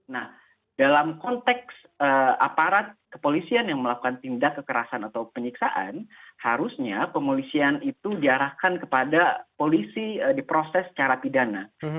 nah dalam konteks aparat kepolisian yang melakukan tindak kekerasan atau penyiksaan harusnya pemolisian itu diarahkan kepada polisi diproses secara pidana